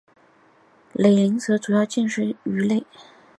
瘰鳞蛇主要进食鱼类。